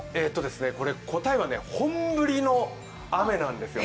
答えは本降りの雨なんですよ。